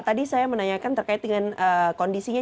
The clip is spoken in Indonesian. tadi saya menanyakan terkait dengan kondisinya